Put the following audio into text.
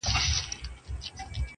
نسه ـ نسه جام د سوما لیري کړي.